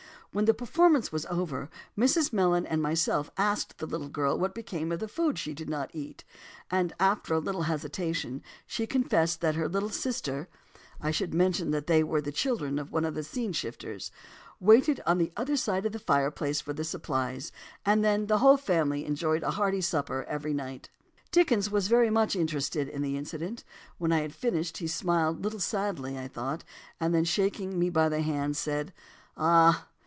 When the performance was over, Mrs. Mellon and myself asked the little girl what became of the food she did not eat, and, after a little hesitation, she confessed that her little sister (I should mention that they were the children of one of the scene shifters) waited on the other side of the fireplace for the supplies, and then the whole family enjoyed a hearty supper every night. "Dickens was very much interested in the incident. When I had finished, he smiled a little sadly, I thought, and then, shaking me by the hand, he said, 'Ah!